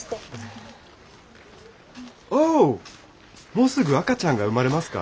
もうすぐ赤ちゃんが生まれますか？